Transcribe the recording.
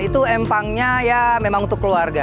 itu empangnya ya memang untuk keluarga